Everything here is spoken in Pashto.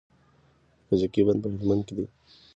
د کجکي بند په هلمند کې دی